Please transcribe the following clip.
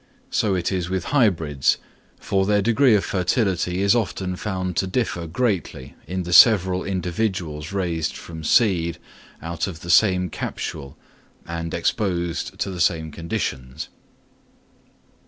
So it is with hybrids, for their degree of fertility is often found to differ greatly in the several individuals raised from seed out of the same capsule and exposed to the same conditions.